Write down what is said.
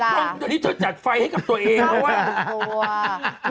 ตอนนี้เธอจัดไฟให้กับตัวเองแล้วอ่ะ